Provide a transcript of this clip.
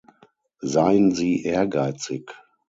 Seien Sie ehrgeizig!